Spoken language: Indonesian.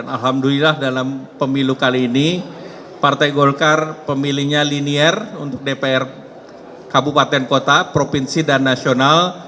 alhamdulillah dalam pemilu kali ini partai golkar pemilihnya linier untuk dpr kabupaten kota provinsi dan nasional